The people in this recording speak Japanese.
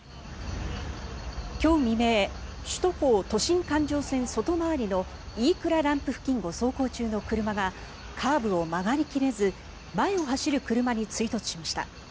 今日未明首都高都心環状線外回りの飯倉ランプ付近を走行中の車がカーブを曲がり切れず前を走る車に追突しました。